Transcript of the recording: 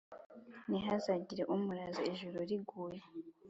ntihazagire umuraza ijoro riguye,